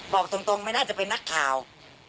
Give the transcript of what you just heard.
บอกตรงไม่น่าจะเป็นนักข่าว